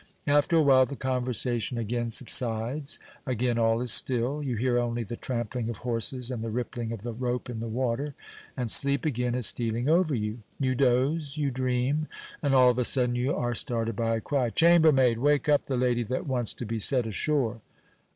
After a while the conversation again subsides; again all is still; you hear only the trampling of horses and the rippling of the rope in the water, and sleep again is stealing over you. You doze, you dream, and all of a sudden you are started by a cry, "Chambermaid! wake up the lady that wants to be set ashore."